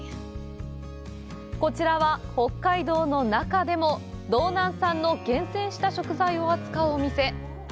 こちらは、北海道の中でも道南産の厳選した食材を扱うお店。